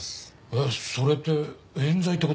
えっそれって冤罪って事？